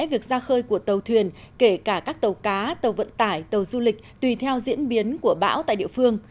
việc ra khơi của tàu thuyền kể cả các tàu cá tàu vận tải tàu du lịch tùy theo diễn biến của bão tại địa phương